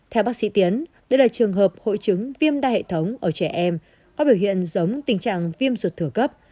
theo bác sĩ tiến đây là trường hợp hội chứng viêm đa hệ thống ở trẻ em có biểu hiện giống tình trạng viêm ruột thừa cấp